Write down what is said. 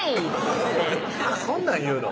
ってそんなん言うの？